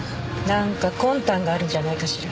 なんか魂胆があるんじゃないかしら？